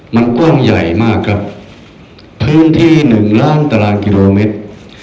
มันกว้างใหญ่มากครับพื้นที่หนึ่งล้านตารางกิโลเมตร